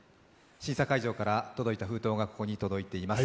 審査会場から届いた封筒がここに届いております。